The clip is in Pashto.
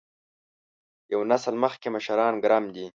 یو نسل مخکې مشران ګرم دي.